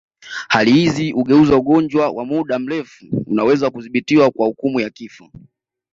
Hali hizi hugeuza ugonjwa wa muda mrefu unaoweza kudhibitiwa kwa hukumu ya kifo